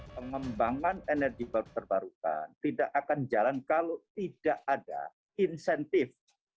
pengembangan energi terbarukan tidak akan jalan kalau tidak ada insentif